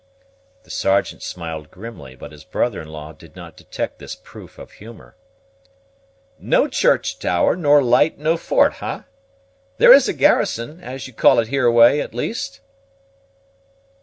The Sergeant smiled grimly, but his brother in law did not detect this proof of humor. "No church tower, nor light, nor fort, ha? There is a garrison, as you call it hereaway, at least?"